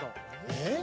えっ？